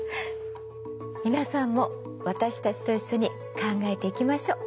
皆さんも私たちと一緒に考えていきましょ。